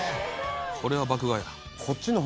これは爆買いやな。